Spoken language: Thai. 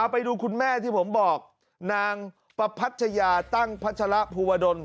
ไปดูคุณแม่ที่ผมบอกนางประพัชยาตั้งพัชระภูวดล